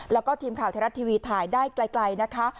แล้วทีมข่าวธรรมดาทีวีถ่ายได้ไกลนะคะ